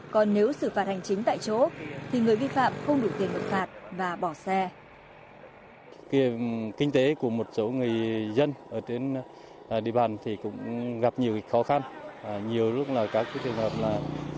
còn nếu xử phạt hành chính tại chỗ thì người vi phạm không đủ tiền nộp phạt và bỏ xe